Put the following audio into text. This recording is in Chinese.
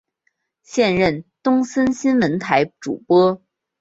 现任东森新闻台主播。